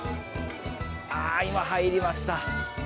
今、入りました。